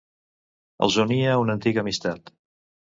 Els unia una antiga amistat.